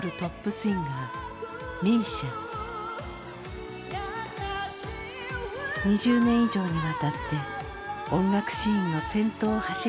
２０年以上にわたって音楽シーンの先頭を走り続けてきました。